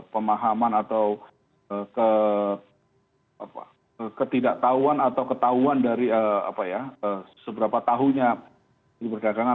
pemahaman atau ketidaktahuan atau ketahuan dari apa ya seberapa tahunya di perdagangan